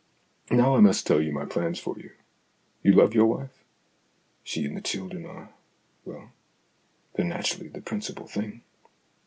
" Now I must tell you my plans for you. You love your wife ?"" She and the children are well, they're natur ally the principal thing."